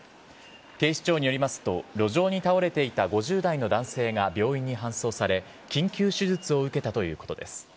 警視庁によりますと、路上に倒れていた５０代の男性が病院に搬送され、緊急手術を受けたということです。